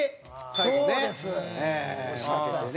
そうです！